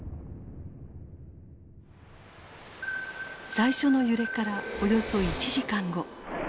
最初の揺れからおよそ１時間後。